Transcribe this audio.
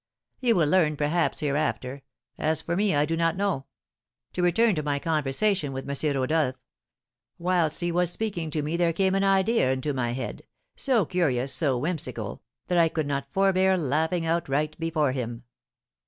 "You will learn, perhaps, hereafter, as for me, I do not know. To return to my conversation with M. Rodolph. Whilst he was speaking to me there came an idea into my head, so curious, so whimsical, that I could not forbear laughing outright before him.